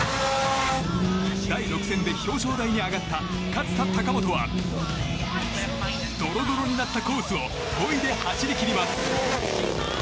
第６戦で表彰台に上がった勝田貴元はどろどろになったコースを５位で走り切ります。